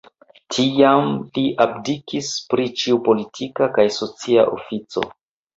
Tiam li abdikis pri ĉiu politika kaj socia ofico.